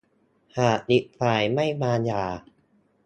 หากอีกฝ่ายไม่มาหย่า